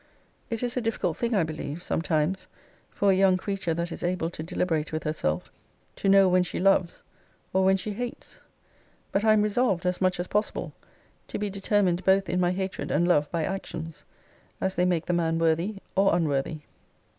It is a difficult thing, I believe, sometimes, for a young creature that is able to deliberate with herself, to know when she loves, or when she hates: but I am resolved, as much as possible, to be determined both in my hatred and love by actions, as they make the man worthy or unworthy.